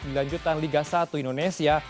di lanjutan liga satu indonesia